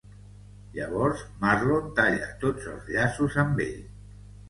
Llavors Marlon talla tots els llaços amb ell.